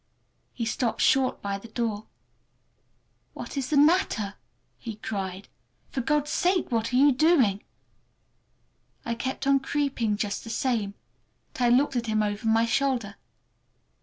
He stopped short by the door. "What is the matter?" he cried. "For God's sake, what are you doing!" I kept on creeping just the same, but I looked at him over my shoulder.